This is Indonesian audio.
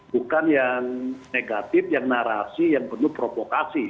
bukan yang negatif yang narasi yang penuh provokasi